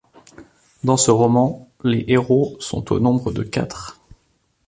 Dans ce roman, les héros sont au nombre de quatre.